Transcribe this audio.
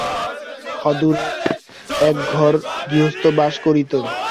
অদূরে একঘর গৃহস্থ বাস করিত।